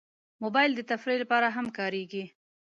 موبایل د تفریح لپاره هم کارېږي.